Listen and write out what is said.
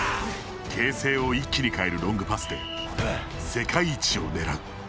形勢を一気に変えるロングパスで世界一を狙う。